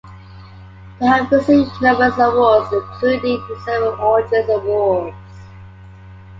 They have received numerous awards, including several Origins Awards.